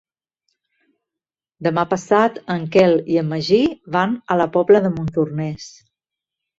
Demà passat en Quel i en Magí van a la Pobla de Montornès.